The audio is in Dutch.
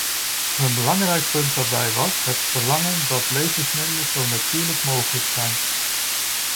Een belangrijk punt daarbij was het verlangen dat levensmiddelen zo natuurlijk mogelijk zijn.